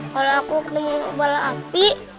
kalau aku ketemu bola api